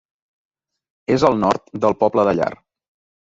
És al nord del poble de Llar.